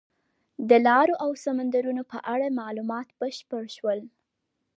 د لارو او سمندرونو په اړه معلومات بشپړ شول.